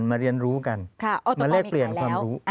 มาเรียนรู้กันมาแลกเปลี่ยนความรู้